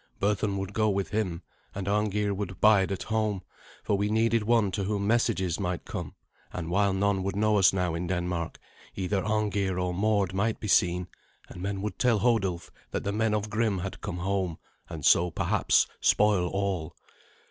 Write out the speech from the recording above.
Berthun would go with him, and Arngeir would bide at home, for we needed one to whom messages might come; and while none would know us now in Denmark, either Arngeir or Mord might be seen, and men would tell Hodulf that the men of Grim had come home, and so perhaps spoil all.